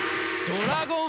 ドラゴン。